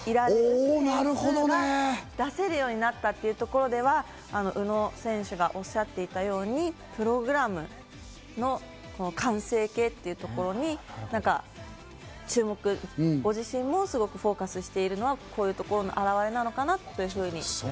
ミスが出てもトップに近い点数が出せるようになったというところでは宇野選手がおっしゃっていたようにプログラムの完成形というところにご自身もフォーカスしているのは、こういうところの表れなのかなというふうに。